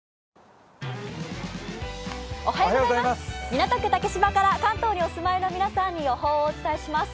港区竹芝から関東にお住まいの皆さんに予報をお伝えします。